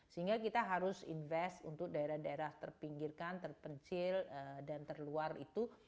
sehingga kita harus invest untuk daerah daerah terpinggirkan terpencil dan terluar itu